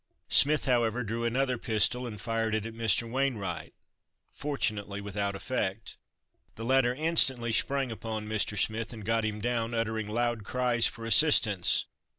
Smith, however, drew another pistol, and fired it at Mr. Wainwright, fortunately without effect. The latter instantly sprang upon Mr. Smith and got him down, uttering loud cries for assistance.